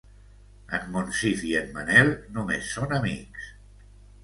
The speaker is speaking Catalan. En Monsif i en Manel només són amics.